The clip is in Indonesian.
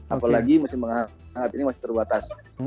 apalagi musim penghangat ini masih terbatas